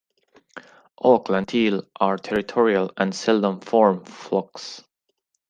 Auckland teal are territorial and seldom form flocks.